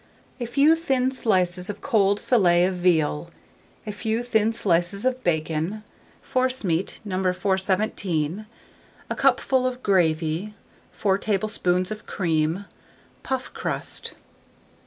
A few thin slices of cold fillet of veal, a few thin slices of bacon, forcemeat No. 417, a cupful of gravy, 4 tablespoonfuls of cream, puff crust.